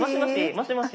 もしもし。